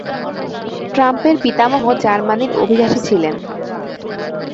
ট্রাম্পের পিতামহ জার্মানির অভিবাসী ছিলেন।